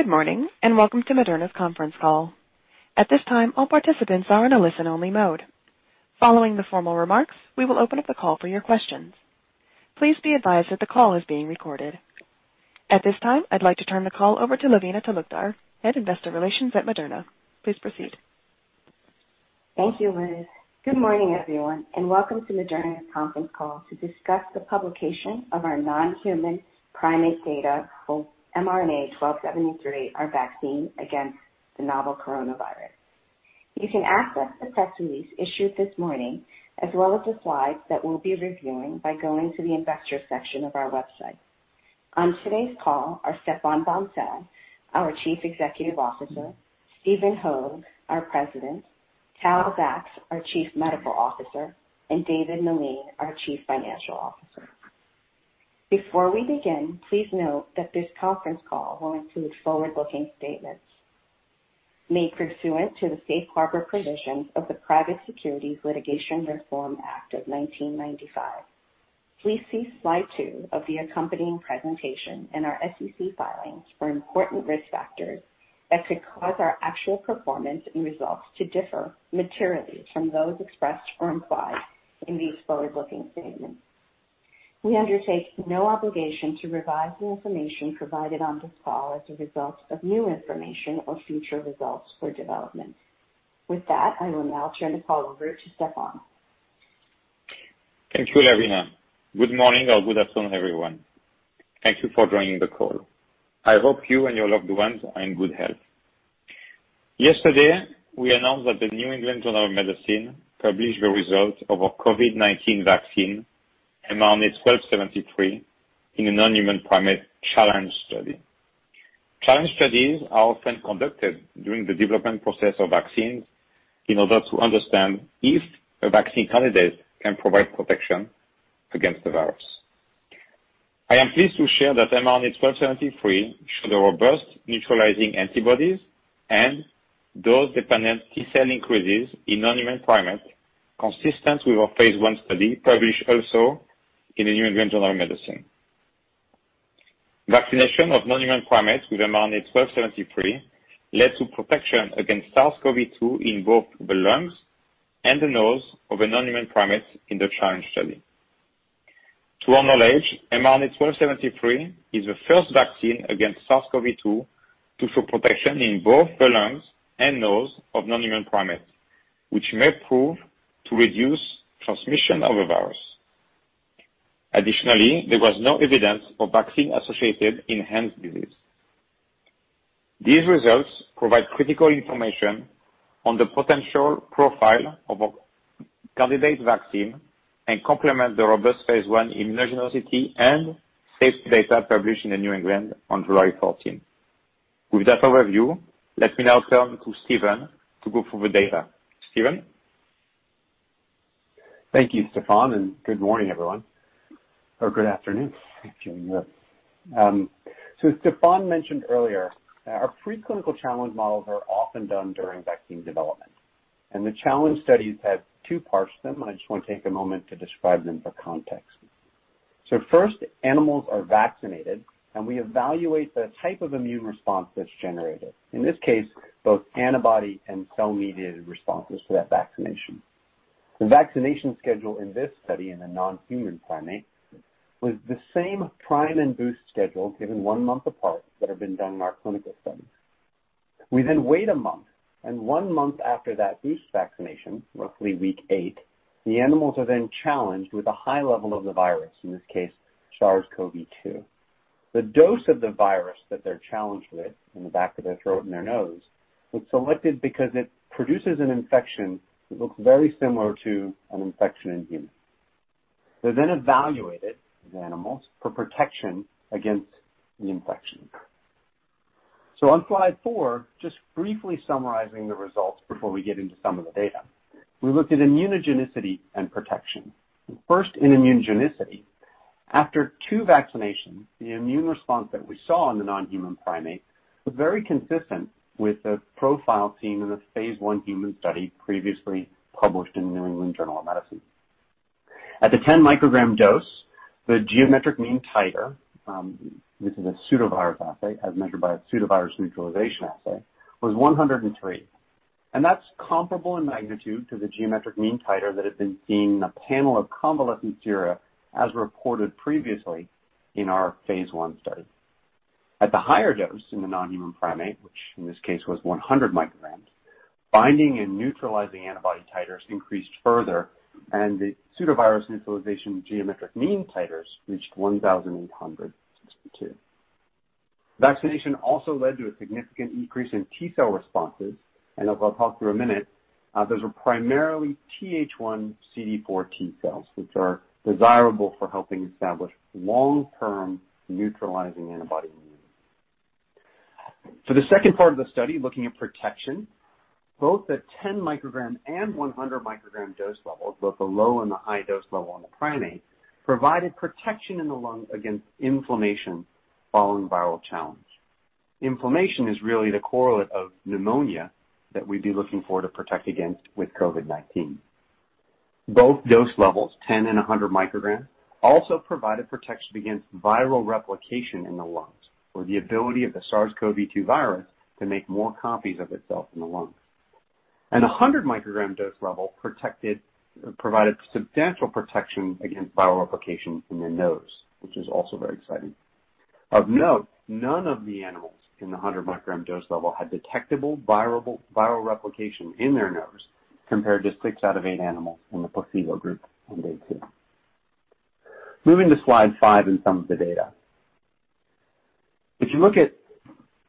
Good morning, and welcome to Moderna's Conference Call. At this time, all participants are in a listen-only mode. Following the formal remarks, we will open up the call for your questions. Please be advised that the call is being recorded. At this time, I'd like to turn the call over to Lavina Talukdar, Head of Investor Relations at Moderna. Please proceed. Thank you, Liz. Good morning, everyone, and welcome to Moderna's Conference Call to discuss the publication of our non-human primate data for mRNA-1273, our vaccine against the novel coronavirus. You can access the press release issued this morning, as well as the slides that we'll be reviewing, by going to the investor section of our website. On today's call are Stéphane Bancel, our Chief Executive Officer, Stephen Hoge, our President, Tal Zaks, our Chief Medical Officer, and David Meline, our Chief Financial Officer. Before we begin, please note that this conference call will include forward-looking statements made pursuant to the Safe Harbor provisions of the Private Securities Litigation Reform Act of 1995. Please see slide two of the accompanying presentation and our SEC filings for important risk factors that could cause our actual performance and results to differ materially from those expressed or implied in these forward-looking statements. We undertake no obligation to revise the information provided on this call as a result of new information or future results or developments. With that, I will now turn the call over to Stéphane. Thank you, Lavina. Good morning or good afternoon, everyone. Thank you for joining the call. I hope you and your loved ones are in good health. Yesterday, we announced that the New England Journal of Medicine published the results of our COVID-19 vaccine, mRNA-1273, in a non-human primate challenge study. Challenge studies are often conducted during the development process of vaccines in order to understand if a vaccine candidate can provide protection against the virus. I am pleased to share that mRNA-1273 showed a robust neutralizing antibodies and dose-dependent T-cell increases in non-human primates, consistent with our phase I study published also in the New England Journal of Medicine. Vaccination of non-human primates with mRNA-1273 led to protection against SARS-CoV-2 in both the lungs and the nose of the non-human primates in the challenge study. To our knowledge, mRNA-1273 is the first vaccine against SARS-CoV-2 to show protection in both the lungs and nose of non-human primates, which may prove to reduce transmission of the virus. Additionally, there was no evidence of vaccine-associated enhanced respiratory disease. These results provide critical information on the potential profile of a candidate vaccine and complement the robust phase I immunogenicity and safety data published in the New England on July 14. With that overview, let me now turn to Stephen to go through the data. Stephen? Thank you, Stéphane, and good morning, everyone. Good afternoon, if you're in Europe. As Stéphane mentioned earlier, our preclinical challenge models are often done during vaccine development, and the challenge studies have two parts to them, and I just want to take a moment to describe them for context. First, animals are vaccinated, and we evaluate the type of immune response that's generated, in this case, both antibody and cell-mediated responses to that vaccination. The vaccination schedule in this study in the non-human primate was the same prime and boost schedule given one month apart that have been done in our clinical studies. We then wait a month, and one month after that boost vaccination, roughly week eight, the animals are then challenged with a high level of the virus, in this case, SARS-CoV-2. The dose of the virus that they're challenged with in the back of their throat and their nose was selected because it produces an infection that looks very similar to an infection in humans. They're evaluated, the animals, for protection against the infection. On slide four, just briefly summarizing the results before we get into some of the data. We looked at immunogenicity and protection. First, in immunogenicity, after two vaccinations, the immune response that we saw in the non-human primate was very consistent with the profile seen in the phase I human study previously published in the New England Journal of Medicine. At the 10 mcg dose, the geometric mean titer, this is a pseudovirus assay, as measured by a pseudovirus neutralization assay, was 103. That's comparable in magnitude to the geometric mean titer that had been seen in a panel of convalescent sera, as reported previously in our phase I study. At the higher dose in the non-human primate, which in this case was 100 mcgs, binding and neutralizing antibody titers increased further, and the pseudovirus neutralization geometric mean titers reached 1,862. Vaccination also led to a significant increase in T-cell responses, I'll talk through in a minute. Those were primarily Th1 CD4 T-cells, which are desirable for helping establish long-term neutralizing antibody immunity. For the second part of the study, looking at protection, both the 10 mcg and 100 mcg dose levels, both the low and the high dose level on the primate, provided protection in the lung against inflammation following viral challenge. Inflammation is really the correlate of pneumonia that we'd be looking for to protect against with COVID-19. Both dose levels, 10 mcg and 100 mcgs, also provided protection against viral replication in the lungs, or the ability of the SARS-CoV-2 virus to make more copies of itself in the lungs. 100 mcg dose level provided substantial protection against viral replication in the nose, which is also very exciting. Of note, none of the animals in the 100 mcg dose level had detectable viral replication in their nose, compared to six out of eight animals in the placebo group on day two. Moving to slide five and some of the data. If you look at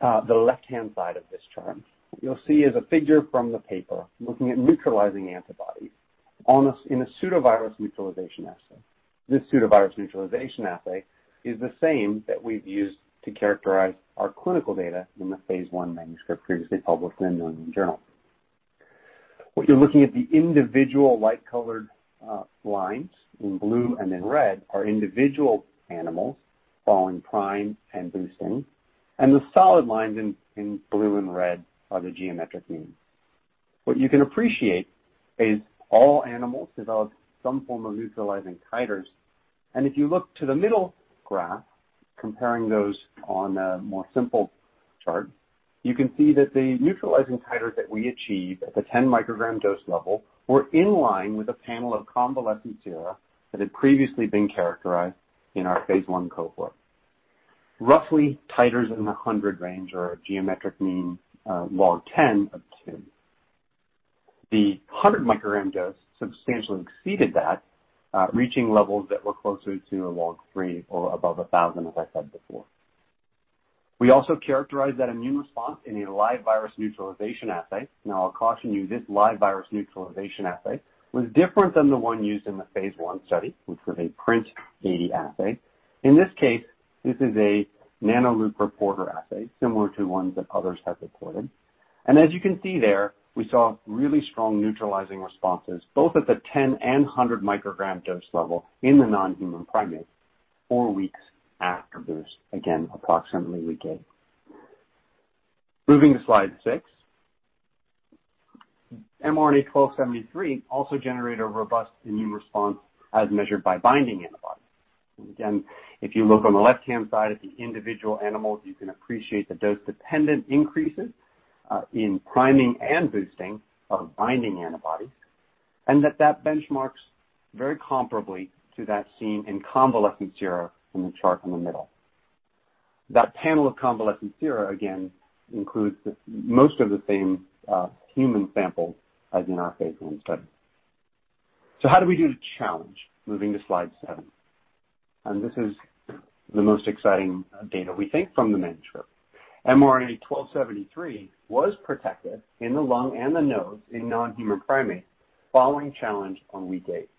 the left-hand side of this chart, what you'll see is a figure from the paper looking at neutralizing antibodies in a pseudovirus neutralization assay. This pseudovirus neutralization assay is the same that we've used to characterize our clinical data in the phase I manuscript previously published in "The New England Journal of Medicine." What you're looking at, the individual light-colored lines in blue and in red are individual animals following prime and boosting, and the solid lines in blue and red are the geometric mean. What you can appreciate is all animals developed some form of neutralizing titers. If you look to the middle graph, comparing those on a more simple chart, you can see that the neutralizing titers that we achieved at the 10 mcg dose level were in line with a panel of convalescent sera that had previously been characterized in our phase I cohort, roughly titers in the 100 range or a geometric mean log 10 of two. The 100 mcg dose substantially exceeded that, reaching levels that were closer to a log three or above 1,000, as I said before. We also characterized that immune response in a live virus neutralization assay. I'll caution you, this live virus neutralization assay was different than the one used in the phase I study, which was a PRNT80 assay. In this case, this is a NanoLuc reporter assay, similar to ones that others have reported. As you can see there, we saw really strong neutralizing responses, both at the 10 mcg and 100 mcg dose level in the non-human primate four weeks after boost, again, approximately week eight. Moving to slide six. mRNA-1273 also generated a robust immune response as measured by binding antibodies. Again, if you look on the left-hand side at the individual animals, you can appreciate the dose-dependent increases in priming and boosting of binding antibodies, and that that benchmarks very comparably to that seen in convalescent sera in the chart in the middle. That panel of convalescent sera, again, includes most of the same human samples as in our phase I study. How did we do the challenge? Moving to slide seven. This is the most exciting data, we think, from the manuscript. mRNA-1273 was protective in the lung and the nose in non-human primates following challenge on week eight.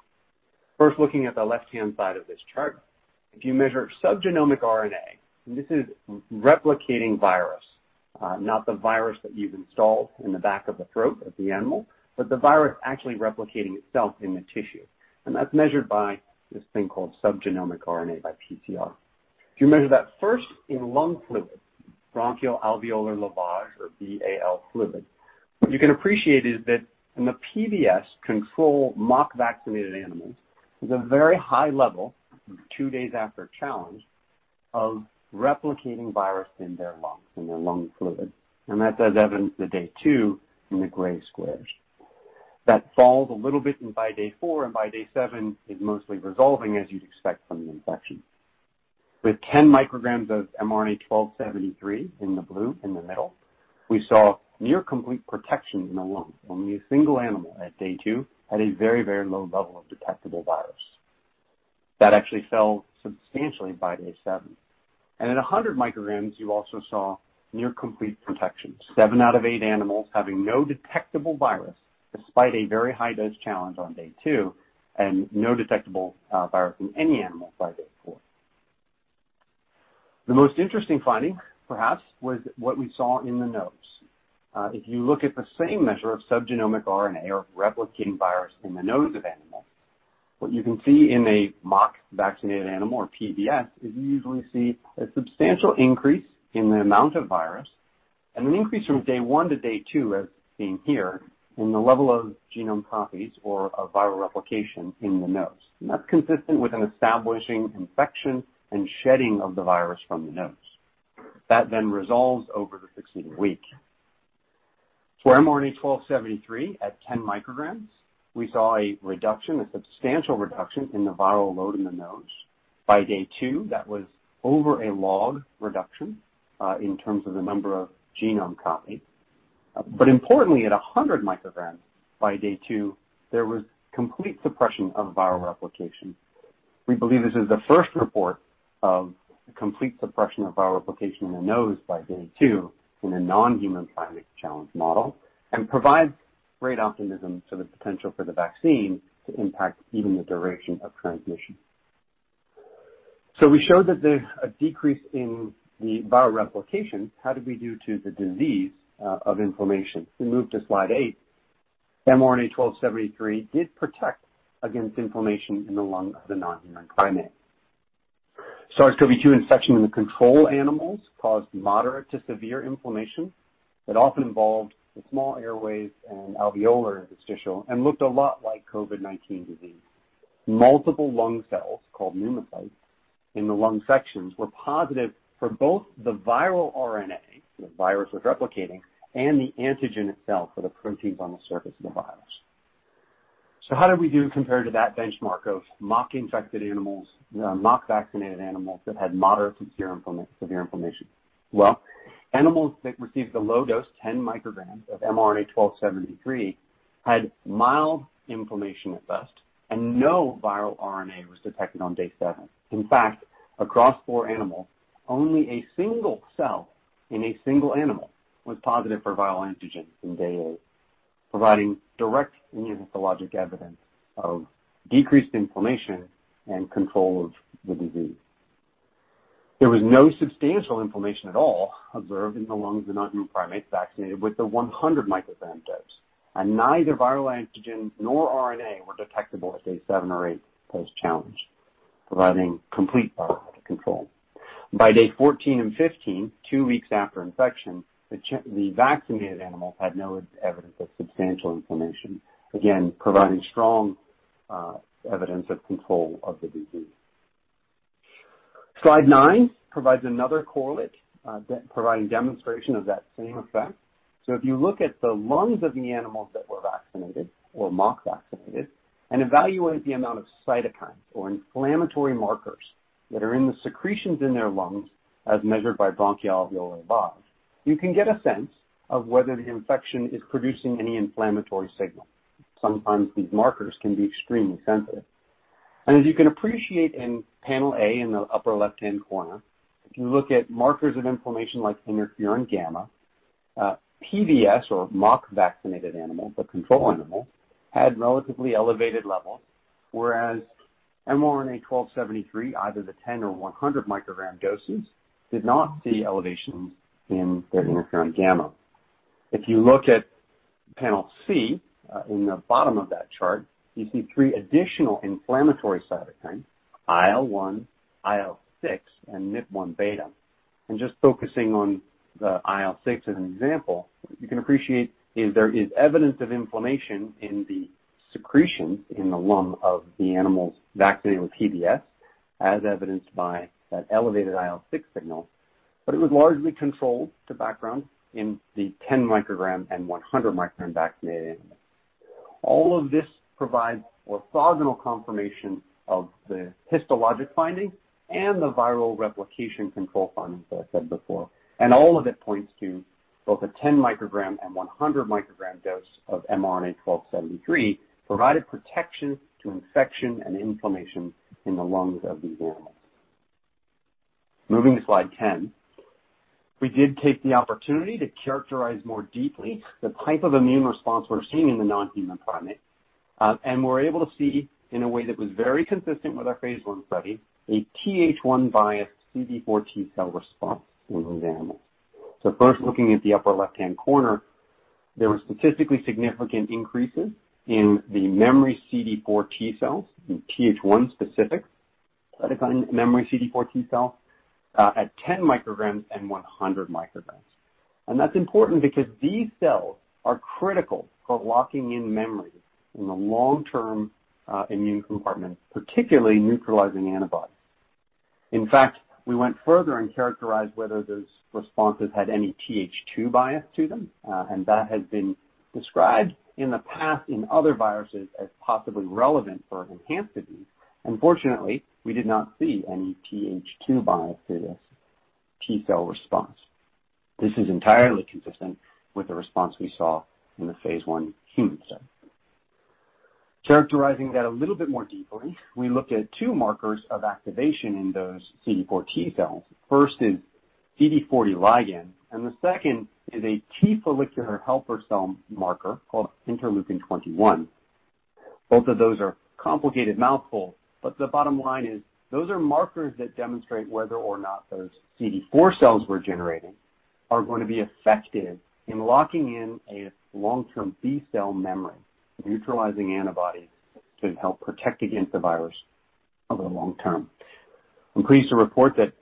First, looking at the left-hand side of this chart. If you measure subgenomic RNA, this is replicating virus, not the virus that you've installed in the back of the throat of the animal, but the virus actually replicating itself in the tissue. That's measured by this thing called subgenomic RNA by PCR. If you measure that first in lung fluid, bronchoalveolar lavage or BAL fluid, what you can appreciate is that in the PBS control mock-vaccinated animals, there's a very high level two days after challenge of replicating virus in their lungs, in their lung fluid, and that is evidenced at day two in the gray squares. That falls a little bit by day four, and by day seven is mostly resolving, as you'd expect from the infection. With 10 mcgs of mRNA-1273 in the blue in the middle, we saw near complete protection in the lungs, only a single animal at day two had a very, very low level of detectable virus. That actually fell substantially by day seven. At 100 mcgs, you also saw near complete protection. Seven out of eight animals having no detectable virus despite a very high dose challenge on day two, and no detectable virus in any animal by day four. The most interesting finding, perhaps, was what we saw in the nose. If you look at the same measure of subgenomic RNA or replicating virus in the nose of animals, what you can see in a mock-vaccinated animal or PBS, is you usually see a substantial increase in the amount of virus and an increase from day one to day two, as seen here, in the level of genome copies or viral replication in the nose. That's consistent with an establishing infection and shedding of the virus from the nose. That resolves over the succeeding week. For mRNA-1273 at 10 mcgs, we saw a reduction, a substantial reduction in the viral load in the nose. By day two, that was over a log reduction in terms of the number of genome copies. Importantly, at 100 mcgs by day two, there was complete suppression of viral replication. We believe this is the first report of complete suppression of viral replication in the nose by day two in a non-human primate challenge model and provides great optimism to the potential for the vaccine to impact even the duration of transmission. We showed that there's a decrease in the viral replication. How did we do to the disease of inflammation? If we move to slide eight, mRNA-1273 did protect against inflammation in the lung of the non-human primate. SARS-CoV-2 infection in the control animals caused moderate to severe inflammation that often involved the small airways and alveolar interstitium, and looked a lot like COVID-19 disease. Multiple lung cells, called pneumocytes, in the lung sections were positive for both the viral RNA, the virus was replicating, and the antigen itself, or the proteins on the surface of the virus. How did we do compared to that benchmark of mock-vaccinated animals that had moderate to severe inflammation? Well, animals that received the low dose 10 mcgs of mRNA-1273 had mild inflammation at best, and no viral RNA was detected on day seven. In fact, across four animals, only a single cell in a single animal was positive for viral antigens on day eight, providing direct immunopathologic evidence of decreased inflammation and control of the disease. There was no substantial inflammation at all observed in the lungs of the non-human primates vaccinated with the 100 mcg dose, and neither viral antigens nor RNA were detectable at day seven or eight post-challenge, providing complete virologic control. By day 14 and 15, two weeks after infection, the vaccinated animals had no evidence of substantial inflammation, again, providing strong evidence of control of the disease. Slide nine provides another correlate, providing demonstration of that same effect. If you look at the lungs of the animals that were vaccinated or mock vaccinated and evaluate the amount of cytokines or inflammatory markers that are in the secretions in their lungs as measured by bronchoalveolar lavage, you can get a sense of whether the infection is producing any inflammatory signal. Sometimes these markers can be extremely sensitive. As you can appreciate in panel A in the upper left-hand corner, if you look at markers of inflammation like interferon gamma, PBS or mock vaccinated animal, the control animal, had relatively elevated levels, whereas mRNA-1273, either the 10 mcg or 100 mcg doses, did not see elevations in their interferon gamma. If you look at panel C in the bottom of that chart, you see three additional inflammatory cytokines, IL-1, IL-6, and MIP-1β. Just focusing on the IL-6 as an example, you can appreciate is there is evidence of inflammation in the secretion in the lung of the animals vaccinated with PBS, as evidenced by that elevated IL-6 signal, but it was largely controlled to background in the 10 mcg and 100 mcg vaccinated animals. All of this provides orthogonal confirmation of the histologic findings and the viral replication control findings that I said before, and all of it points to both a 10 mcg and 100 mcg dose of mRNA-1273 provided protection to infection and inflammation in the lungs of these animals. Moving to slide 10. We did take the opportunity to characterize more deeply the type of immune response we're seeing in the non-human primate, and we're able to see in a way that was very consistent with our phase I study, a Th1 biased CD4 T cell response in these animals. First, looking at the upper left-hand corner, there were statistically significant increases in the memory CD4 T cells in Th1 specific cytokine memory CD4 T cells at 10 mcgs and 100 mcgs. That's important because these cells are critical for locking in memory in the long-term immune compartment, particularly neutralizing antibodies. In fact, we went further and characterized whether those responses had any Th2 bias to them, and that has been described in the past in other viruses as possibly relevant for enhanced disease. Unfortunately, we did not see any Th2 bias to this T cell response. This is entirely consistent with the response we saw in the phase I human study. Characterizing that a little bit more deeply, we looked at two markers of activation in those CD4 T cells. First is CD40 ligand, and the second is a T follicular helper cell marker called interleukin 21. Both of those are complicated mouthfuls, but the bottom line is those are markers that demonstrate whether or not those CD4 cells we're generating are going to be effective in locking in a long-term B cell memory, neutralizing antibodies to help protect against the virus over the long term. I'm pleased to report that,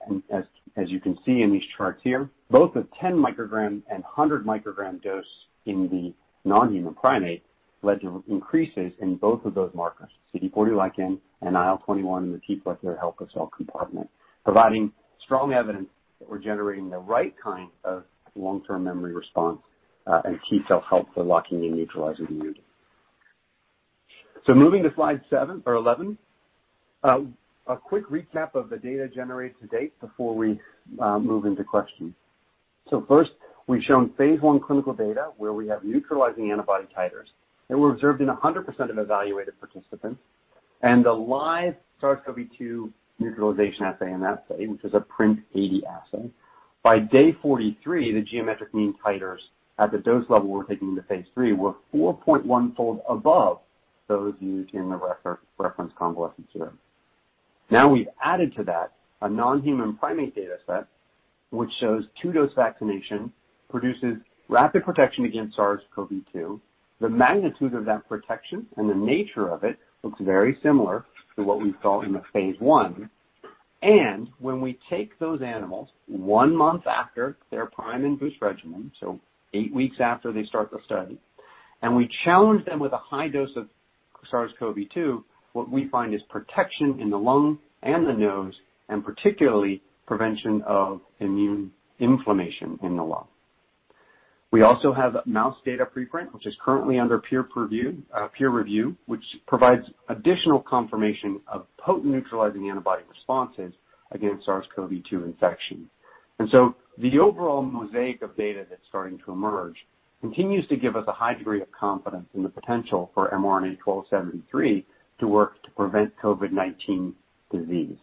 as you can see in these charts here, both the 10 mcg and 100 mcg dose in the non-human primate led to increases in both of those markers, CD40 ligand and IL-21 in the T follicular helper cell compartment, providing strong evidence that we're generating the right kind of long-term memory response and T cell help for locking in neutralizing immunity. Moving to slide seven or 11, a quick recap of the data generated to date before we move into questions. First, we've shown phase I clinical data where we have neutralizing antibody titers that were observed in 100% of evaluated participants, and the live SARS-CoV-2 neutralization assay in that study, which is a PRNT80 assay. By day 43, the geometric mean titers at the dose level we're taking into phase III were 4.1-fold above those used in the reference convalescent serum. We've added to that a non-human primate data set, which shows two-dose vaccination produces rapid protection against SARS-CoV-2. The magnitude of that protection and the nature of it looks very similar to what we saw in the phase I. When we take those animals one month after their prime and boost regimen, so eight weeks after they start the study, and we challenge them with a high dose of SARS-CoV-2, what we find is protection in the lung and the nose, and particularly prevention of immune inflammation in the lung. We also have mouse data preprint, which is currently under peer review, which provides additional confirmation of potent neutralizing antibody responses against SARS-CoV-2 infection. The overall mosaic of data that's starting to emerge continues to give us a high degree of confidence in the potential for mRNA-1273 to work to prevent COVID-19 disease.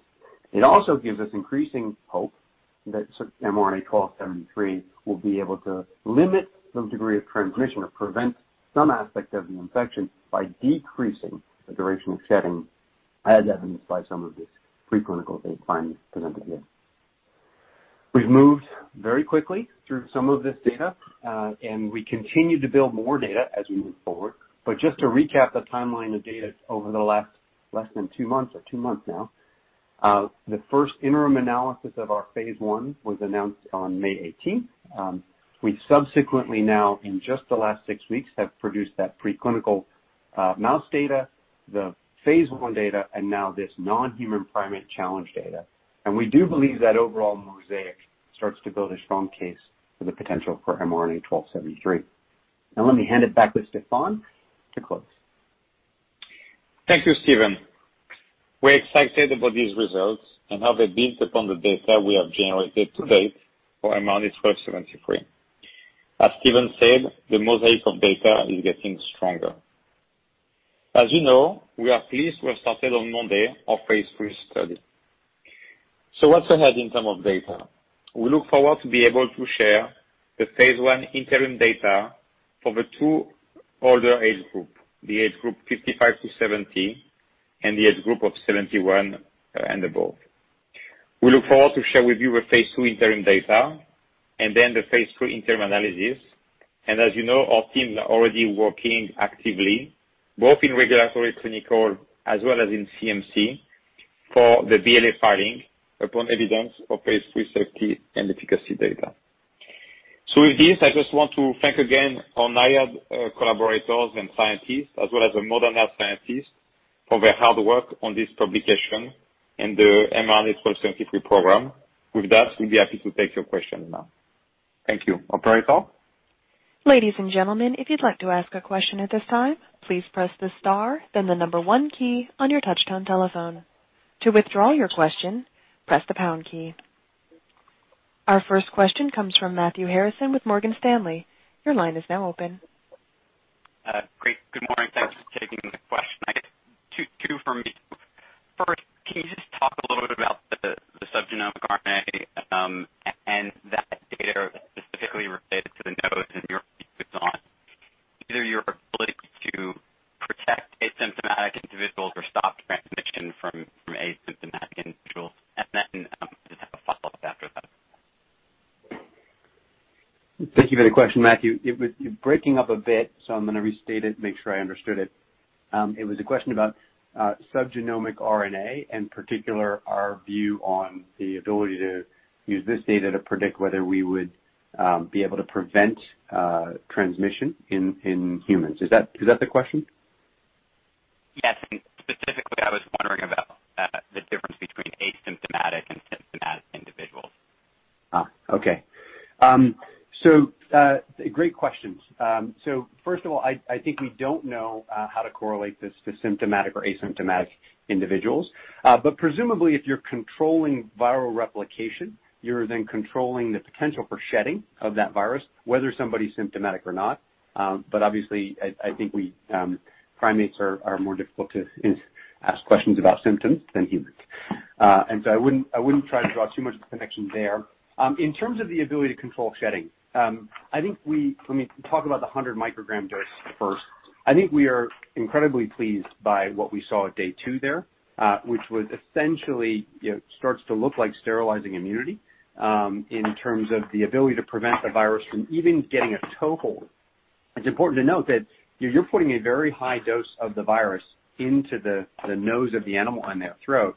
It also gives us increasing hope that mRNA-1273 will be able to limit some degree of transmission or prevent some aspect of the infection by decreasing the duration of shedding, as evidenced by some of these preclinical data findings presented here. We've moved very quickly through some of this data, and we continue to build more data as we move forward. Just to recap the timeline of data over the last less than two months or two months now, the first interim analysis of our phase I was announced on May 18th. We subsequently now, in just the last six weeks, have produced that preclinical mouse data, the phase I data, and now this non-human primate challenge data. We do believe that overall mosaic starts to build a strong case for the potential for mRNA-1273. Now, let me hand it back to Stéphane to close. Thank you, Stephen. We're excited about these results and how they build upon the data we have generated to date for mRNA-1273. As Stephen said, the mosaic of data is getting stronger. As you know, we are pleased we have started on Monday our phase III study. What's ahead in term of data? We look forward to be able to share the phase I interim data for the two older age group, the age group 55-70 and the age group of 71 and above. We look forward to share with you the phase II interim data and then the phase III interim analysis. As you know, our teams are already working actively, both in regulatory clinical as well as in CMC, for the BLA filing upon evidence of phase III safety and efficacy data. With this, I just want to thank again all NIAID collaborators and scientists, as well as the Moderna scientists for their hard work on this publication and the mRNA-1273 program. With that, we'd be happy to take your questions now. Thank you. Operator? Ladies and gentlemen, if you'd like to ask a question at this time, please press the star, then the number one key on your touch-tone telephone. To withdraw your question, press the pound key. Our first question comes from Matthew Harrison with Morgan Stanley. Your line is now open. Great. Good morning. Thanks for taking the question. I guess two from me. First, can you just talk a little bit about the subgenomic RNA, and that data specifically related to the nose and your view on either your ability to protect asymptomatic individuals or stop transmission from asymptomatic individuals? Just have a follow-up after that. Thank you for the question, Matthew. You're breaking up a bit, so I'm going to restate it, make sure I understood it. It was a question about subgenomic RNA, in particular, our view on the ability to use this data to predict whether we would be able to prevent transmission in humans. Is that the question? Yes, specifically, I was wondering about the difference between asymptomatic and symptomatic individuals. Okay. Great questions. First of all, I think we don't know how to correlate this to symptomatic or asymptomatic individuals. Presumably, if you're controlling viral replication, you're then controlling the potential for shedding of that virus, whether somebody's symptomatic or not. Obviously, I think primates are more difficult to ask questions about symptoms than humans. I wouldn't try to draw too much of a connection there. In terms of the ability to control shedding, let me talk about the 100 mcg dose first. I think we are incredibly pleased by what we saw at day two there, which was essentially starts to look like sterilizing immunity, in terms of the ability to prevent the virus from even getting a toehold. It's important to note that you're putting a very high dose of the virus into the nose of the animal and their throat.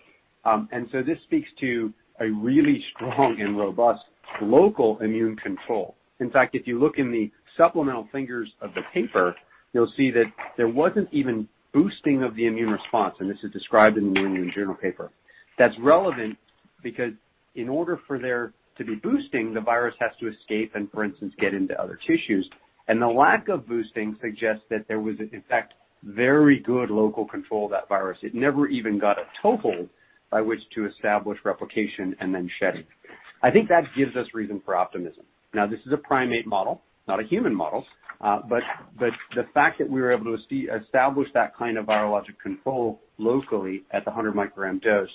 This speaks to a really strong and robust local immune control. In fact, if you look in the supplemental figures of the paper, you'll see that there wasn't even boosting of the immune response, and this is described in the New England Journal paper. That's relevant because in order for there to be boosting, the virus has to escape and, for instance, get into other tissues. The lack of boosting suggests that there was, in fact, very good local control of that virus. It never even got a toehold by which to establish replication and then shedding. I think that gives us reason for optimism. Now, this is a primate model, not a human model. The fact that we were able to establish that kind of virologic control locally at the 100 mcg dose,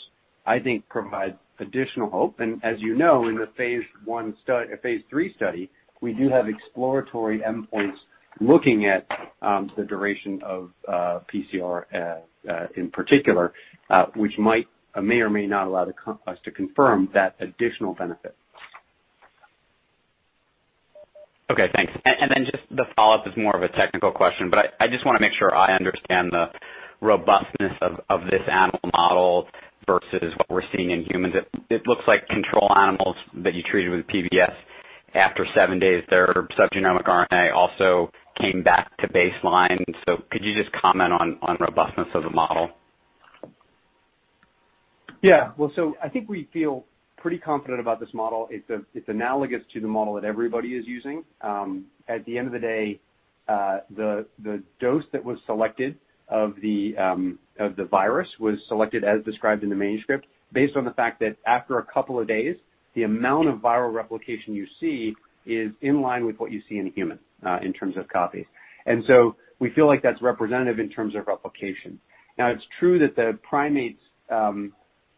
I think provides additional hope. As you know, in the phase III study, we do have exploratory endpoints looking at the duration of PCR, in particular, which may or may not allow us to confirm that additional benefit. Okay, thanks. Just the follow-up is more of a technical question, but I just want to make sure I understand the robustness of this animal model versus what we're seeing in humans. It looks like control animals that you treated with PBS after seven days, their subgenomic RNA also came back to baseline. Could you just comment on robustness of the model? I think we feel pretty confident about this model. It's analogous to the model that everybody is using. At the end of the day, the dose that was selected of the virus was selected as described in the manuscript, based on the fact that after a couple of days, the amount of viral replication you see is in line with what you see in humans, in terms of copies. We feel like that's representative in terms of replication. It's true that the primates,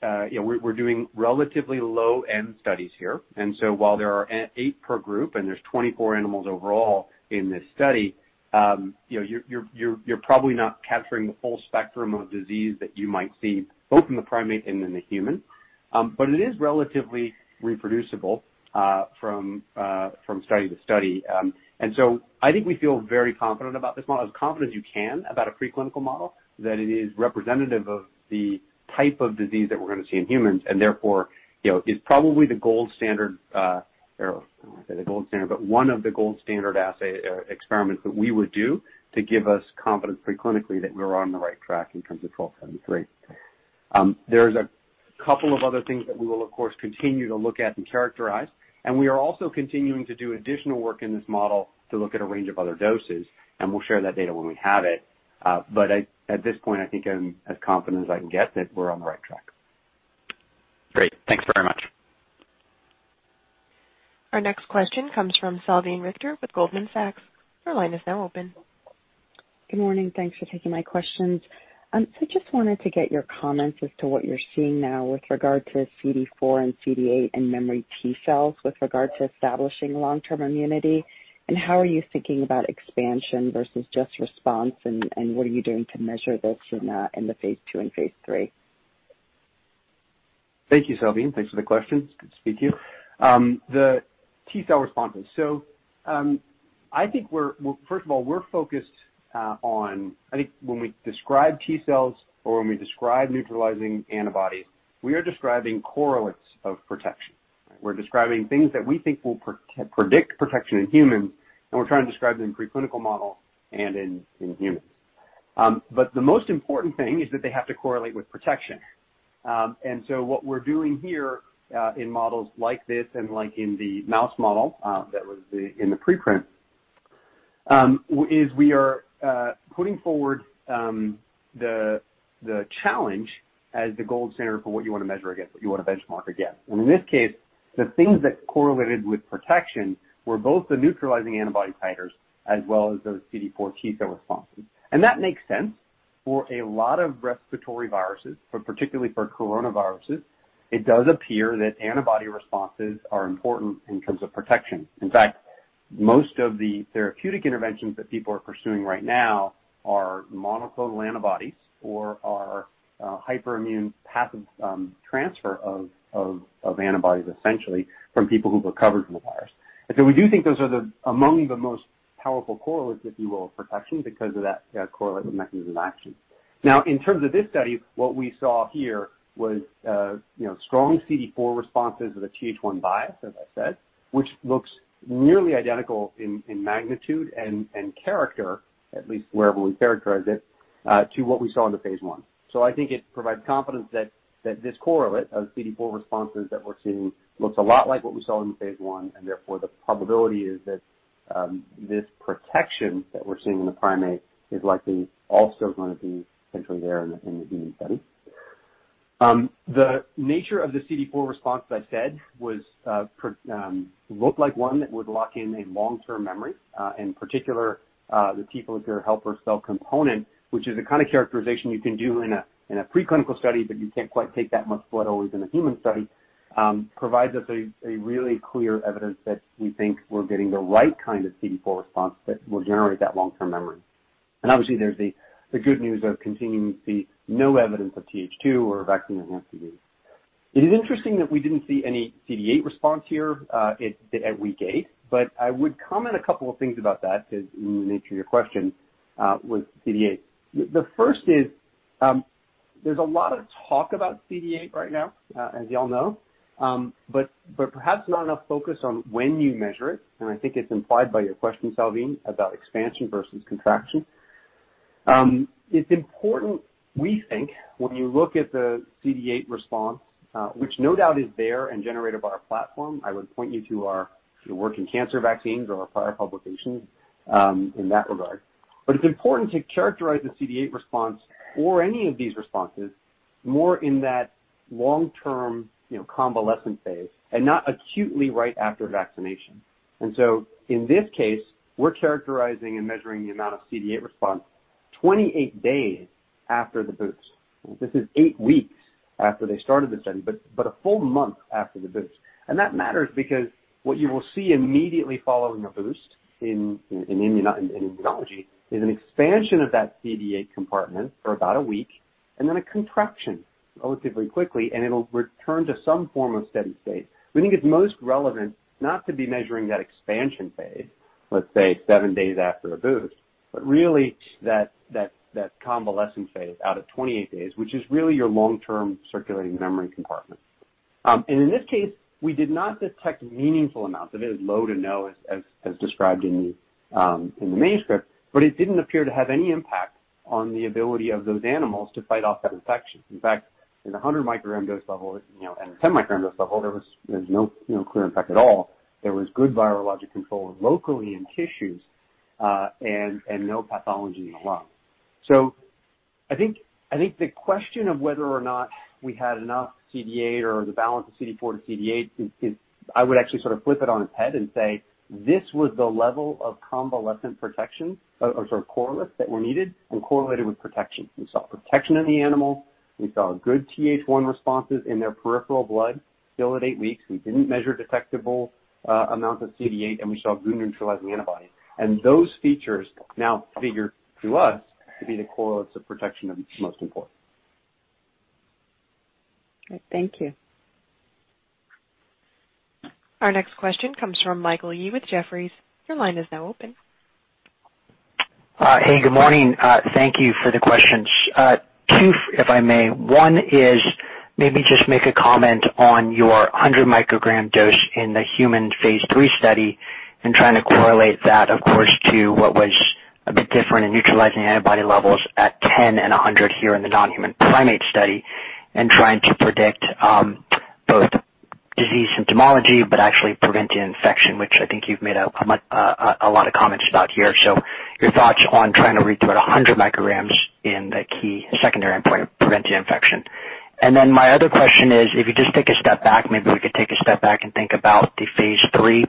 we're doing relatively low N studies here, while there are eight per group, and there's 24 animals overall in this study, you're probably not capturing the full spectrum of disease that you might see both in the primate and in the human. It is relatively reproducible from study to study. I think we feel very confident about this model, as confident as you can about a preclinical model, that it is representative of the type of disease that we're going to see in humans, and therefore is probably the gold standard, or I don't want to say the gold standard, but one of the gold standard assay experiments that we would do to give us confidence preclinically that we're on the right track in terms of 1273. There's a couple of other things that we will, of course, continue to look at and characterize, and we are also continuing to do additional work in this model to look at a range of other doses, and we'll share that data when we have it. But at this point, I think I'm as confident as I can get that we're on the right track. Great. Thanks very much. Our next question comes from Salveen Richter with Goldman Sachs. Your line is now open. Good morning. Thanks for taking my questions. I just wanted to get your comments as to what you're seeing now with regard to CD4 and CD8 and memory T cells with regard to establishing long-term immunity, and how are you thinking about expansion versus just response, and what are you doing to measure this in the phase II and phase III? Thank you, Salveen. Thanks for the question. It's good to speak to you. The T cell responses. I think, first of all, we're focused on, I think when we describe T cells or when we describe neutralizing antibodies, we are describing correlates of protection. We're describing things that we think will predict protection in humans, and we're trying to describe them in preclinical model and in humans. The most important thing is that they have to correlate with protection. What we're doing here in models like this and like in the mouse model that was in the preprint, is we are putting forward the challenge as the gold standard for what you want to measure against, what you want to benchmark against. In this case, the things that correlated with protection were both the neutralizing antibody titers as well as those CD4 T cell responses. That makes sense for a lot of respiratory viruses, particularly for coronaviruses. It does appear that antibody responses are important in terms of protection. In fact, most of the therapeutic interventions that people are pursuing right now are monoclonal antibodies or are hyperimmune passive transfer of antibodies, essentially, from people who've recovered from the virus. We do think those are among the most powerful correlates, if you will, of protection because of that correlate with mechanism of action. In terms of this study, what we saw here was strong CD4 responses with a Th1 bias, as I said, which looks nearly identical in magnitude and character, at least wherever we characterized it, to what we saw in the phase I. I think it provides confidence that this correlate of CD4 responses that we're seeing looks a lot like what we saw in the phase I, and therefore the probability is that this protection that we're seeing in the primate is likely also going to be potentially there in the human study. The nature of the CD4 response, as I said, looked like one that would lock in a long-term memory. In particular, the T follicular helper cell component, which is a kind of characterization you can do in a preclinical study, but you can't quite take that much blood always in a human study, provides us a really clear evidence that we think we're getting the right kind of CD4 response that will generate that long-term memory. Obviously, there's the good news of continuing to see no evidence of Th2 or vaccine-enhanced ADE. It is interesting that we didn't see any CD8 response here at week eight, but I would comment a couple of things about that, because in the nature of your question with CD8. The first is, there's a lot of talk about CD8 right now, as you all know, but perhaps not enough focus on when you measure it, and I think it's implied by your question, Salveen, about expansion versus contraction. It's important, we think, when you look at the CD8 response, which no doubt is there and generated by our platform. I would point you to our work in cancer vaccines or our prior publications in that regard. It's important to characterize the CD8 response or any of these responses more in that long-term convalescent phase and not acutely right after vaccination. In this case, we're characterizing and measuring the amount of CD8 response 28 days after the boost. This is eight weeks after they started the study, but a full month after the boost. That matters because what you will see immediately following a boost in immunology is an expansion of that CD8 compartment for about a week. A contraction relatively quickly, and it'll return to some form of steady state. We think it's most relevant not to be measuring that expansion phase, let's say seven days after a boost, but really that convalescent phase out at 28 days, which is really your long-term circulating memory compartment. In this case, we did not detect meaningful amounts. It is low to no as described in the manuscript, but it didn't appear to have any impact on the ability of those animals to fight off that infection. In fact, in the 100 mcg dose level and 10 mcg dose level, there was no clear impact at all. There was good virologic control locally in tissues, and no pathology in the lung. I think the question of whether or not we had enough CD8 or the balance of CD4 to CD8, I would actually sort of flip it on its head and say this was the level of convalescent protection, or sort of correlates that were needed and correlated with protection. We saw protection in the animal. We saw good Th1 responses in their peripheral blood still at eight weeks. We didn't measure detectable amounts of CD8, and we saw good neutralizing antibodies. Those features now figure to us to be the correlates of protection that's most important. Okay, thank you. Our next question comes from Michael Yee with Jefferies. Your line is now open. Hey, good morning. Thank you for the questions. Two, if I may. One is maybe just make a comment on your 100 mcg dose in the human phase III study and trying to correlate that, of course, to what was a bit different in neutralizing antibody levels at 10 and 100 here in the non-human primate study, and trying to predict both disease symptomology but actually preventing infection, which I think you've made a lot of comments about here. Your thoughts on trying to read through at 100 mcgs in the key secondary endpoint of preventing infection. My other question is, if you just take a step back, maybe we could take a step back and think about the phase III.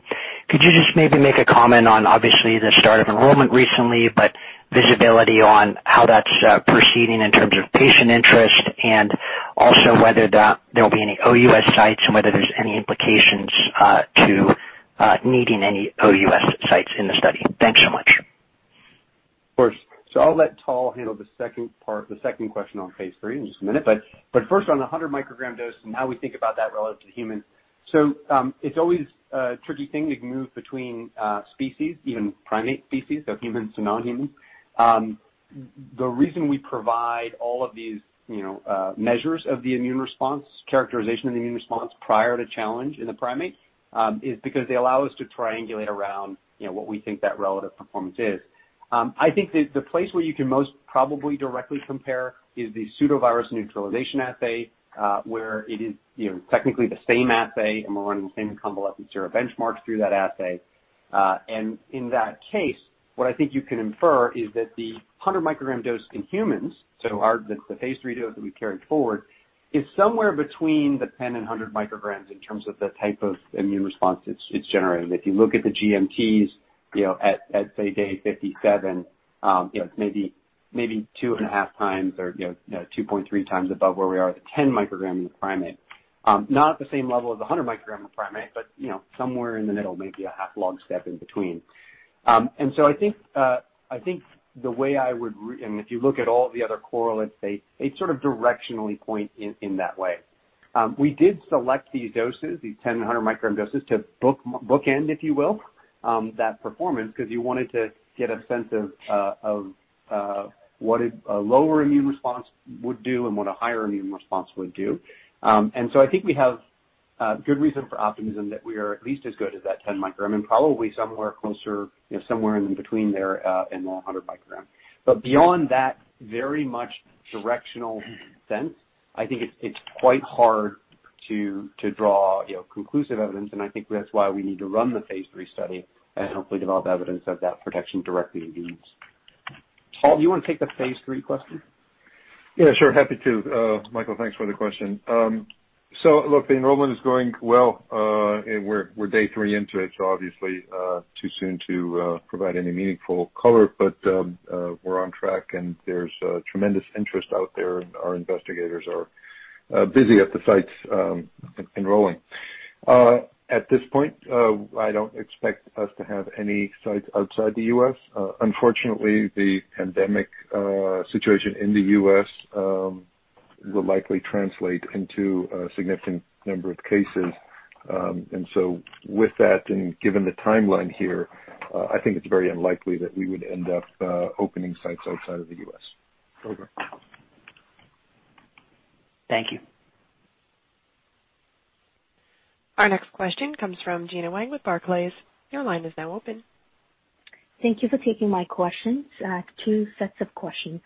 Could you just maybe make a comment on, obviously, the start of enrollment recently, but visibility on how that's proceeding in terms of patient interest and also whether there'll be any OUS sites and whether there's any implications to needing any OUS sites in the study. Thanks so much. Of course. I'll let Tal handle the second part, the second question on phase III in just a minute. First on the 100 mcg dose and how we think about that relative to humans. It's always a tricky thing to move between species, even primate species, so humans to non-humans. The reason we provide all of these measures of the immune response, characterization of the immune response prior to challenge in the primate, is because they allow us to triangulate around what we think that relative performance is. I think that the place where you can most probably directly compare is the pseudovirus neutralization assay, where it is technically the same assay, and we're running the same convalescent sera benchmarks through that assay. In that case, what I think you can infer is that the 100 mcg dose in humans, so the phase III dose that we carried forward, is somewhere between the 10 and 100 mcgs in terms of the type of immune response it's generating. If you look at the GMTs at, say, day 57, it's maybe 2.5x or 2.3x above where we are at the 10 mcg in the primate. Not at the same level as 100 mcg in primate, but somewhere in the middle, maybe a half log step in between. If you look at all the other correlates, they sort of directionally point in that way. We did select these doses, these 10 mcg and 100 mcg doses, to bookend, if you will, that performance because you wanted to get a sense of what a lower immune response would do and what a higher immune response would do. I think we have good reason for optimism that we are at least as good as that 10 mcg and probably somewhere closer, somewhere in between there in the 100 mcg. Beyond that very much directional sense, I think it's quite hard to draw conclusive evidence, and I think that's why we need to run the phase III study and hopefully develop evidence of that protection directly in humans. Tal, do you want to take the phase III question? Yeah, sure. Happy to. Michael, thanks for the question. Look, the enrollment is going well. We're day three into it, obviously too soon to provide any meaningful color, but we're on track, and there's tremendous interest out there. Our investigators are busy at the sites enrolling. At this point, I don't expect us to have any sites outside the U.S. Unfortunately, the pandemic situation in the U.S. will likely translate into a significant number of cases. With that, and given the timeline here, I think it's very unlikely that we would end up opening sites outside of the U.S. Over. Thank you. Our next question comes from Gena Wang with Barclays. Your line is now open. Thank you for taking my questions. Two sets of questions.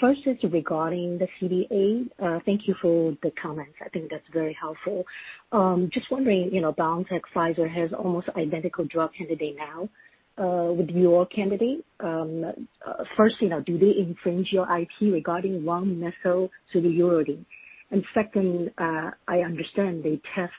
First is regarding the CD8. Thank you for the comments. I think that's very helpful. Just wondering, BioNTech Pfizer has almost identical drug candidate now, with your candidate. First, do they infringe your IP regarding N1-methylpseudouridine? Second, I understand they test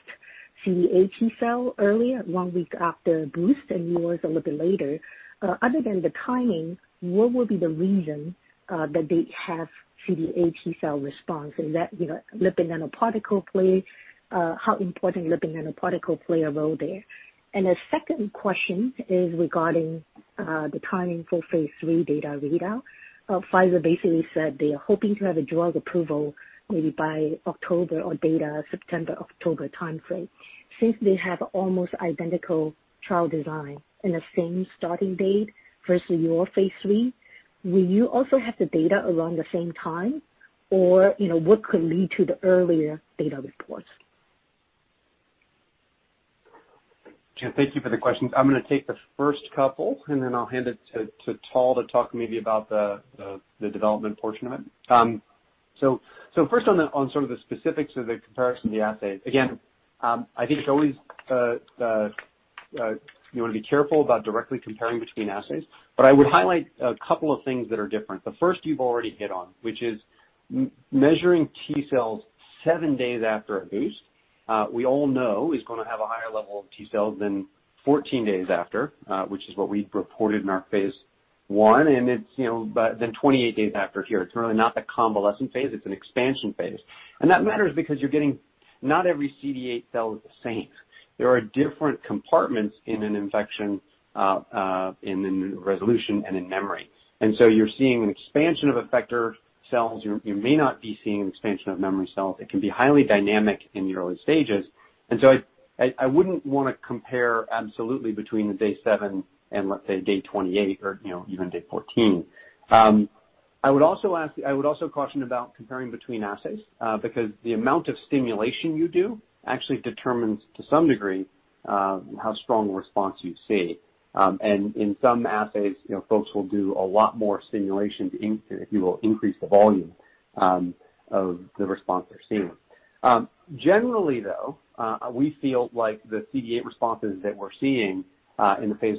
CD8 T-cell early, one week after boost, and yours a little bit later. Other than the timing, what would be the reason that they have CD8 T-cell response? Is that lipid nanoparticle play? How important lipid nanoparticle play a role there? The second question is regarding the timing for phase III data readout. Pfizer basically said they are hoping to have a drug approval maybe by October or data September-October timeframe. Since they have almost identical trial design and the same starting date versus your phase III, will you also have the data around the same time? What could lead to the earlier data reports? Gena, thank you for the question. I'm going to take the first couple, and then I'll hand it to Tal to talk maybe about the development portion of it. First, on sort of the specifics of the comparison of the assays, again, I think you always want to be careful about directly comparing between assays. I would highlight a couple of things that are different. The first you've already hit on, which is measuring T cells seven days after a boost, we all know is going to have a higher level of T cells than 14 days after, which is what we reported in our phase I. 28 days after here, it's really not the convalescent phase, it's an expansion phase. That matters because you're getting, not every CD8 cell is the same. There are different compartments in an infection, in the resolution, and in memory. You're seeing an expansion of effector cells, you may not be seeing an expansion of memory cells. It can be highly dynamic in the early stages. I wouldn't want to compare absolutely between the day seven and, let's say, day 28 or even day 14. I would also caution about comparing between assays, because the amount of stimulation you do actually determines, to some degree, how strong a response you see. In some assays folks will do a lot more stimulation to, if you will, increase the volume of the response they're seeing. Generally, though, we feel like the CD8 responses that we're seeing in the phase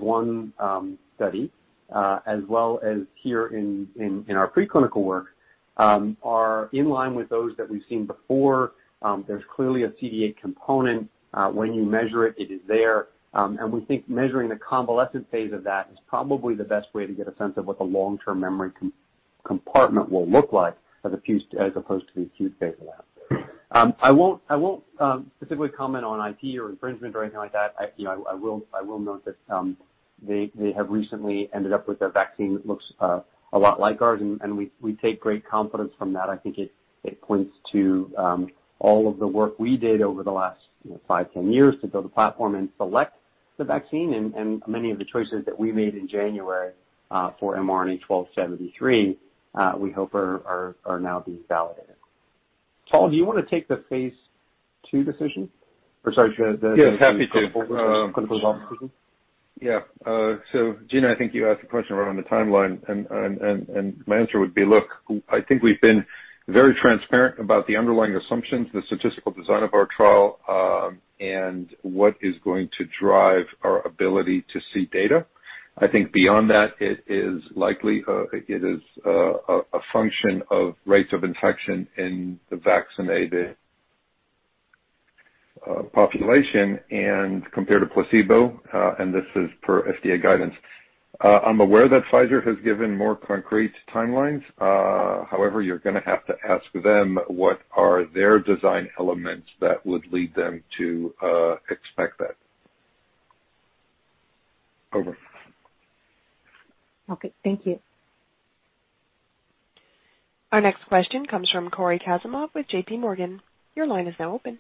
I study, as well as here in our preclinical work, are in line with those that we've seen before. There's clearly a CD8 component. When you measure it is there. We think measuring the convalescent phase of that is probably the best way to get a sense of what the long-term memory compartment will look like as opposed to the acute phase of that. I won't specifically comment on IP or infringement or anything like that. I will note that they have recently ended up with a vaccine that looks a lot like ours, and we take great confidence from that. I think it points to all of the work we did over the last five, 10 years to build a platform and select the vaccine, and many of the choices that we made in January for mRNA-1273, we hope are now being validated. Tal, do you want to take the phase II decision? Yes, happy to. the clinical development decision? Yeah. Gena, I think you asked a question around the timeline, and my answer would be, look, I think we've been very transparent about the underlying assumptions, the statistical design of our trial, and what is going to drive our ability to see data. I think beyond that, it is likely it is a function of rates of infection in the vaccinated population and compared to placebo, and this is per FDA guidance. I'm aware that Pfizer has given more concrete timelines. However, you're going to have to ask them what are their design elements that would lead them to expect that. Over. Okay. Thank you. Our next question comes from Cory Kasimov with JPMorgan. Your line is now open.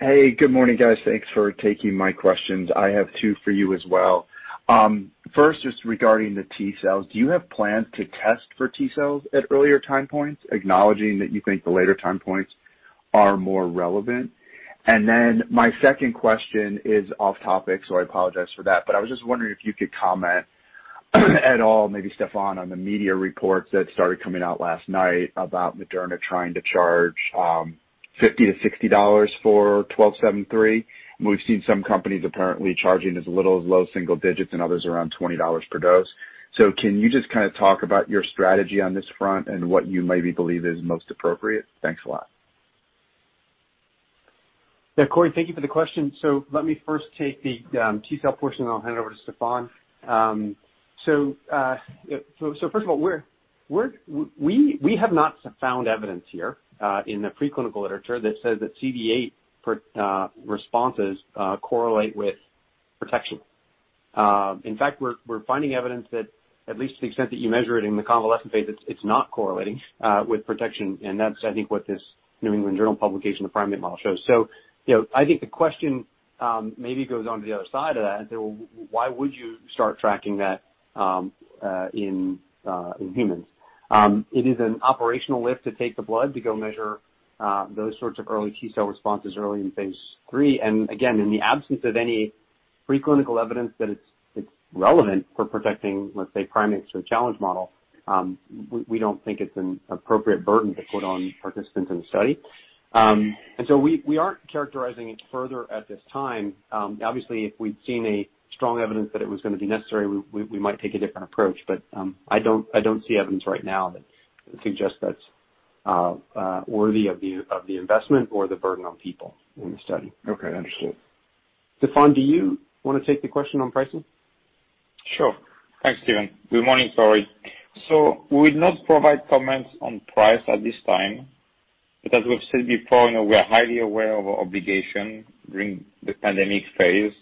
Hey, good morning, guys. Thanks for taking my questions. I have two for you as well. First, just regarding the T cells, do you have plans to test for T cells at earlier time points, acknowledging that you think the later time points are more relevant? My second question is off topic, so I apologize for that, but I was just wondering if you could comment at all, maybe Stéphane, on the media reports that started coming out last night about Moderna trying to charge $50-$60 for 1273. We've seen some companies apparently charging as little as low single digits and others around $20 per dose. Can you just talk about your strategy on this front and what you maybe believe is most appropriate? Thanks a lot. Cory, thank you for the question. Let me first take the T cell portion, and I'll hand it over to Stéphane. First of all, we have not found evidence here in the preclinical literature that says that CD8 responses correlate with protection. In fact, we're finding evidence that at least to the extent that you measure it in the convalescent phase, it's not correlating with protection, and that's, I think, what this New England Journal publication, the primate model, shows. I think the question maybe goes on to the other side of that and say, "Well, why would you start tracking that in humans?" It is an operational lift to take the blood to go measure those sorts of early T cell responses early in phase III. Again, in the absence of any preclinical evidence that it's relevant for protecting, let's say, primates through a challenge model, we don't think it's an appropriate burden to put on participants in the study. So we aren't characterizing it further at this time. Obviously, if we'd seen a strong evidence that it was going to be necessary, we might take a different approach. I don't see evidence right now that suggests that's worthy of the investment or the burden on people in the study. Okay. Understood. Stéphane, do you want to take the question on pricing? Sure. Thanks, Stephen. Good morning, Cory. We will not provide comments on price at this time. As we've said before, we're highly aware of our obligation during the pandemic phase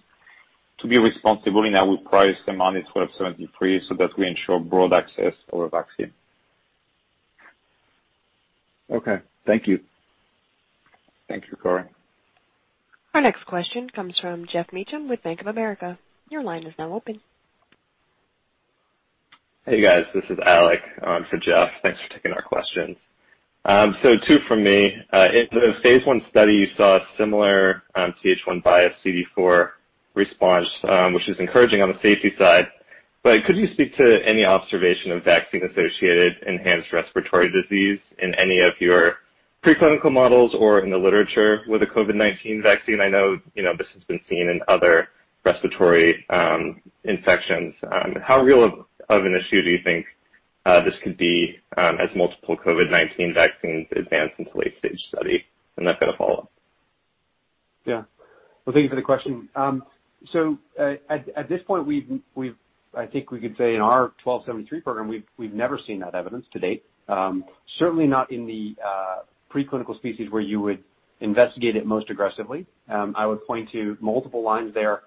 to be responsible in how we price the mRNA-1273 so that we ensure broad access to our vaccine. Okay. Thank you. Thank you, Cory. Our next question comes from Geoff Meacham with Bank of America. Your line is now open. Hey, guys. This is Alec for Geoff. Thanks for taking our questions. Two from me. In the phase I study, you saw similar Th1 bias CD4 response, which is encouraging on the safety side, but could you speak to any observation of vaccine-associated enhanced respiratory disease in any of your preclinical models or in the literature with the COVID-19 vaccine? I know this has been seen in other respiratory infections. How real of an issue do you think this could be as multiple COVID-19 vaccines advance into late-stage study? I've got a follow-up. Well, thank you for the question. At this point, I think we could say in our mRNA-1273 program, we've never seen that evidence to date. Certainly not in the preclinical species where you would investigate it most aggressively. I would point to multiple lines there.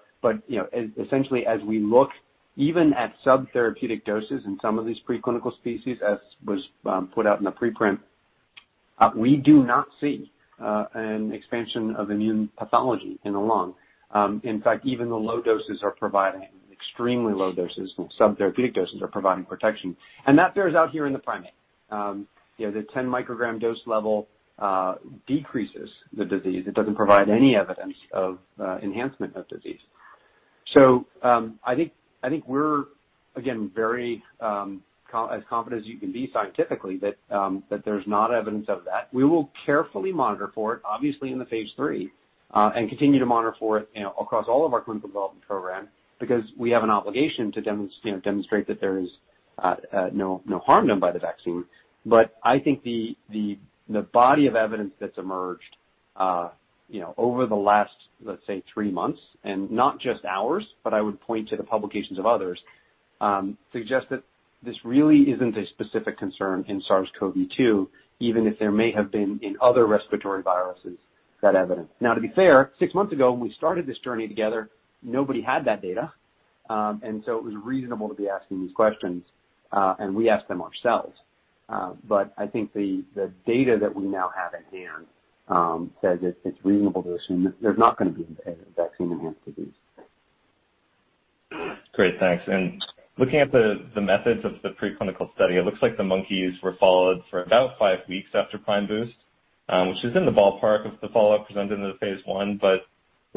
Essentially, as we look even at subtherapeutic doses in some of these preclinical species, as was put out in the preprint, we do not see an expansion of immune pathology in the lung. In fact, even the low doses are providing extremely low doses, subtherapeutic doses are providing protection. That bears out here in the primate. The 10 mcg dose level decreases the disease. It doesn't provide any evidence of enhancement of disease. I think we're, again, very as confident as you can be scientifically that there's not evidence of that. We will carefully monitor for it, obviously, in the phase III, and continue to monitor for it across all of our clinical development program, because we have an obligation to demonstrate that there is no harm done by the vaccine. I think the body of evidence that's emerged over the last, let's say, three months, and not just ours, but I would point to the publications of others, suggests that this really isn't a specific concern in SARS-CoV-2, even if there may have been in other respiratory viruses, that evidence. Now, to be fair, six months ago when we started this journey together, nobody had that data, and so it was reasonable to be asking these questions, and we asked them ourselves. I think the data that we now have at hand says it's reasonable to assume that there's not going to be vaccine-enhanced disease. Great, thanks. Looking at the methods of the preclinical study, it looks like the monkeys were followed for about five weeks after prime boost, which is in the ballpark of the follow-up presented in the phase I.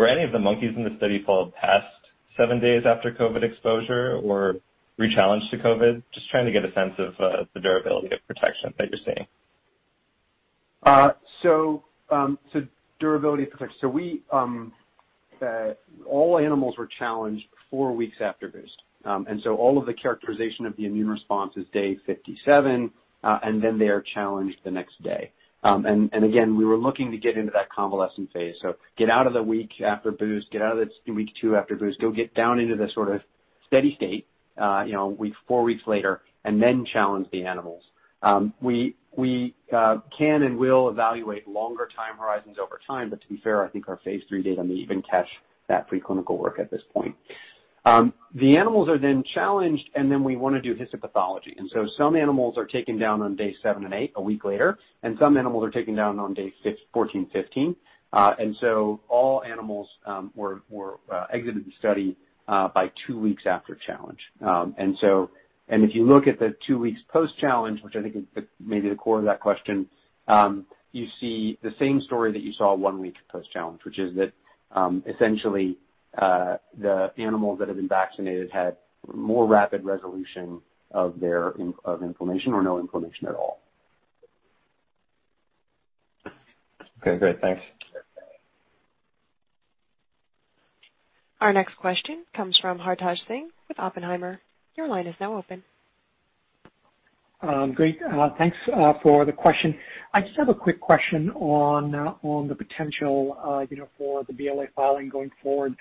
Were any of the monkeys in the study followed past seven days after COVID exposure or rechallenged to COVID? Just trying to get a sense of the durability of protection that you're seeing. Durability of protection. All animals were challenged four weeks after boost. All of the characterization of the immune response is day 57, and then they are challenged the next day. Again, we were looking to get into that convalescent phase. Get out of the week after boost, get out of the week two after boost, go get down into the sort of steady state four weeks later, and then challenge the animals. We can and will evaluate longer time horizons over time, but to be fair, I think our phase III data may even catch that preclinical work at this point. The animals are then challenged, and then we want to do histopathology, and so some animals are taken down on day seven and eight, a week later, and some animals are taken down on day 14, 15. All animals were exited the study by two weeks after challenge. If you look at the two weeks post-challenge, which I think is maybe the core of that question, you see the same story that you saw one week post-challenge, which is that essentially, the animals that have been vaccinated had more rapid resolution of inflammation or no inflammation at all. Okay, great. Thanks. Our next question comes from Hartaj Singh with Oppenheimer. Your line is now open. Great. Thanks for the question. I just have a quick question on the potential for the BLA filing going forward.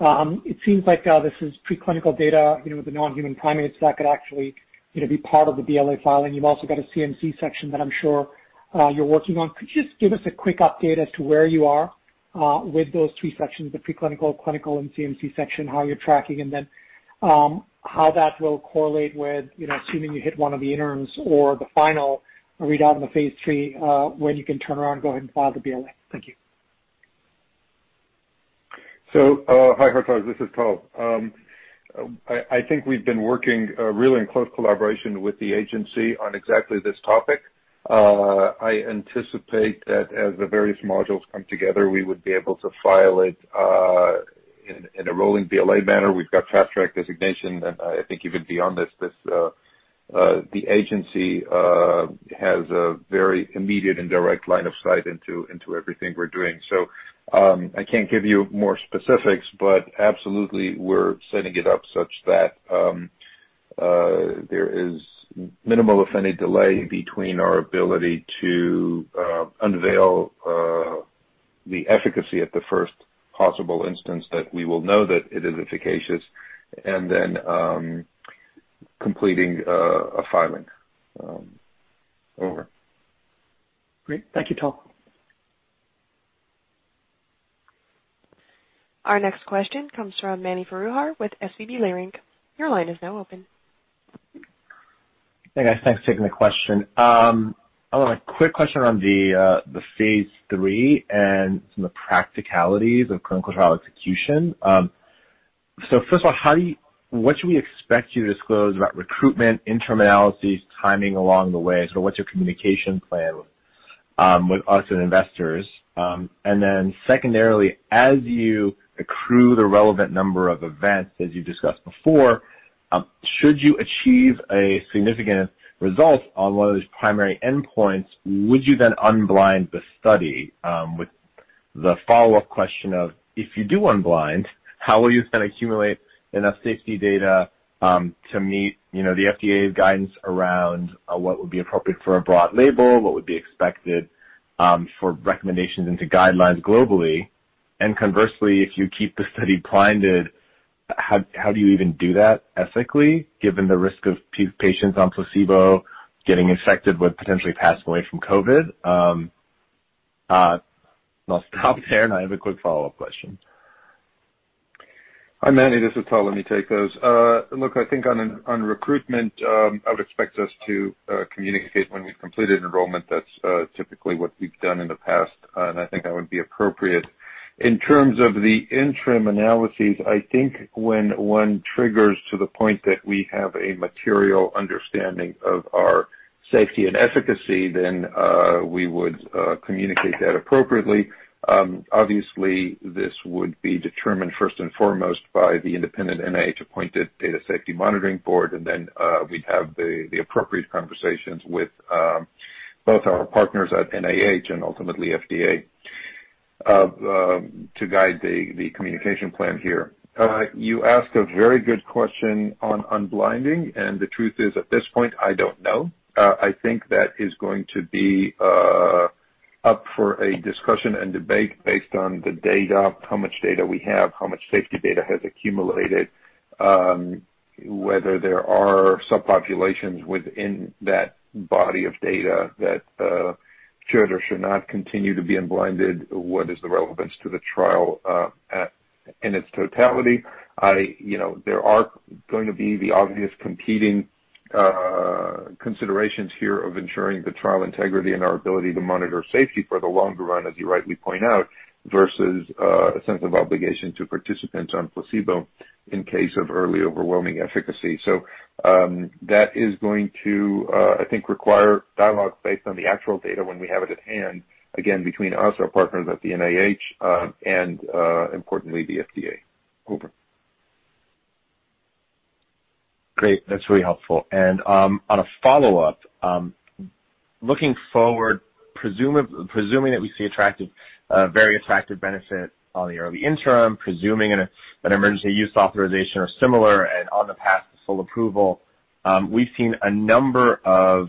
It seems like this is preclinical data with the non-human primates that could actually be part of the BLA filing. You've also got a CMC section that I'm sure you're working on. Could you just give us a quick update as to where you are with those three sections, the preclinical, clinical, and CMC section, how you're tracking, and then how that will correlate with assuming you hit one of the interims or the final readout in the phase III, when you can turn around and go ahead and file the BLA? Thank you. Hi, Hartaj. This is Tal. I think we've been working really in close collaboration with the agency on exactly this topic. I anticipate that as the various modules come together, we would be able to file it in a rolling BLA manner. We've got Fast Track designation, and I think even beyond this, the agency has a very immediate and direct line of sight into everything we're doing. I can't give you more specifics, but absolutely, we're setting it up such that there is minimal, if any, delay between our ability to unveil the efficacy at the first possible instance that we will know that it is efficacious, and then completing a filing. Over. Great. Thank you, Tal. Our next question comes from Mani Foroohar with SVB Leerink. Your line is now open. Hey, guys. Thanks for taking the question. I have a quick question on the phase III and some of the practicalities of clinical trial execution. First of all, what should we expect you to disclose about recruitment, interim analyses, timing along the way? Secondarily, as you accrue the relevant number of events, as you discussed before, should you achieve a significant result on one of those primary endpoints, would you then unblind the study? With the follow-up question of, if you do unblind, how will you then accumulate enough safety data, to meet the FDA's guidance around what would be appropriate for a broad label, what would be expected for recommendations into guidelines globally? Conversely, if you keep the study blinded, how do you even do that ethically, given the risk of patients on placebo getting infected with potentially passing away from COVID? I'll stop there, and I have a quick follow-up question. Hi, Mani. This is Tal. Let me take those. I think on recruitment, I would expect us to communicate when we've completed enrollment. That's typically what we've done in the past, and I think that would be appropriate. In terms of the interim analyses, I think when one triggers to the point that we have a material understanding of our safety and efficacy, we would communicate that appropriately. Obviously, this would be determined first and foremost by the independent NIH-appointed data safety monitoring board, then we'd have the appropriate conversations with both our partners at NIH and ultimately FDA to guide the communication plan here. You ask a very good question on unblinding, the truth is, at this point, I don't know. I think that is going to be up for a discussion and debate based on the data, how much data we have, how much safety data has accumulated, whether there are subpopulations within that body of data that should or should not continue to be unblinded. What is the relevance to the trial in its totality? There are going to be the obvious competing considerations here of ensuring the trial integrity and our ability to monitor safety for the longer run, as you rightly point out, versus a sense of obligation to participants on placebo in case of early overwhelming efficacy. That is going to, I think, require dialogue based on the actual data when we have it at hand, again, between us, our partners at the NIH, and, importantly, the FDA. Great. That's really helpful. On a follow-up, looking forward, presuming that we see a very attractive benefit on the early interim, presuming an emergency use authorization or similar, and on the path to full approval, we've seen a number of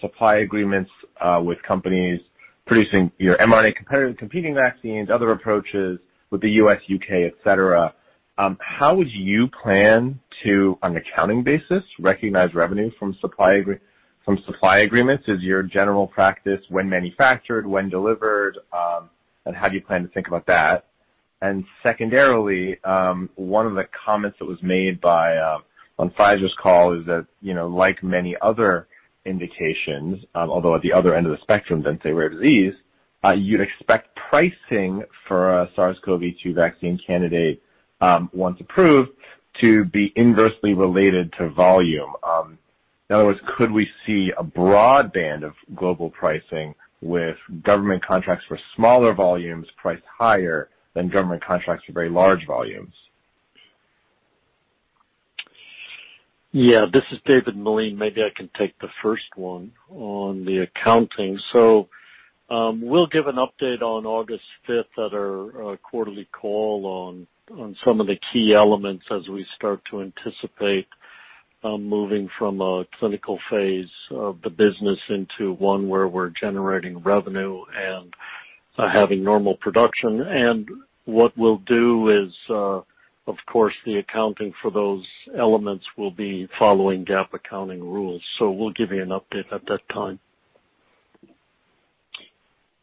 supply agreements with companies producing mRNA competing vaccines, other approaches with the U.S., U.K., et cetera. How would you plan to, on an accounting basis, recognize revenue from supply agreements? Is your general practice when manufactured, when delivered, and how do you plan to think about that? Secondarily, one of the comments that was made on Pfizer's call is that like many other indications, although at the other end of the spectrum than, say, rare disease, you'd expect pricing for a SARS-CoV-2 vaccine candidate, once approved, to be inversely related to volume. In other words, could we see a broad band of global pricing with government contracts for smaller volumes priced higher than government contracts for very large volumes? Yeah. This is David Meline. Maybe I can take the first one on the accounting. We'll give an update on August 5th at our quarterly call on some of the key elements as we start to anticipate moving from a clinical phase of the business into one where we're generating revenue and having normal production. What we'll do is, of course, the accounting for those elements will be following GAAP accounting rules. We'll give you an update at that time.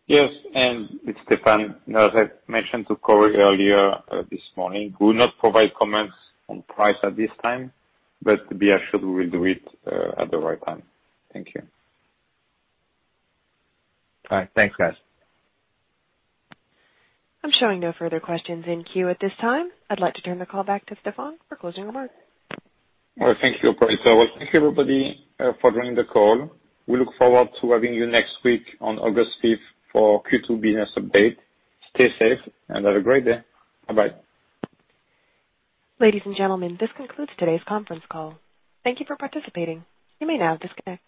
Yes, it's Stéphane. As I mentioned to Cory earlier this morning, we will not provide comments on price at this time. Be assured we will do it at the right time. Thank you. All right. Thanks, guys. I'm showing no further questions in queue at this time. I'd like to turn the call back to Stéphane for closing remarks. Thank you, operator. Thank you, everybody, for joining the call. We look forward to having you next week on August 5th for Q2 business update. Stay safe and have a great day. Bye-bye. Ladies and gentlemen, this concludes today's conference call. Thank you for participating. You may now disconnect.